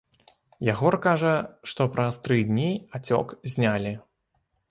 Ягор кажа, што праз тры дні ацёк знялі.